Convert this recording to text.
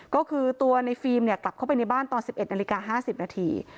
ก็คือตัวในฟิล์มเนี่ยกลับเข้าไปในบ้านตอน๑๑นาฬิกา๕๐นาที